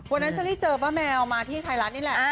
วันนั้นฉันนี่เจอป้าแมวมาที่ไทยรัฐนี่แหละ